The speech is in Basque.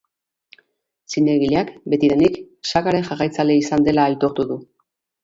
Zinegileak betidanik sagaren jarraitzaile izan dela aitortu du.